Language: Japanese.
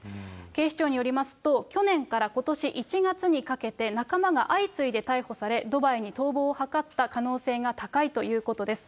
警視庁によりますと、去年からことし１月にかけて、仲間が相次いで逮捕され、ドバイに逃亡を図った可能性が高いということです。